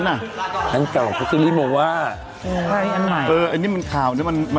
แต่อันนี้คือลุโมว่านะ